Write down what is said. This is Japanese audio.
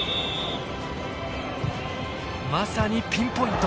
まさにピンポイント。